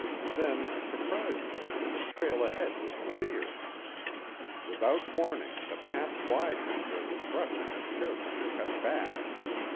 Then, surprisingly, the trail ahead was clear. Without warning the path widened where the brush had been carefully cut back.